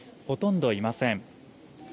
ほとんどいません。